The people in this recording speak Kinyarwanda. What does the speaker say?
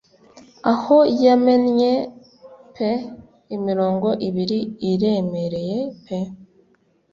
aho yamennye pe imirongo ibiri iremereye pe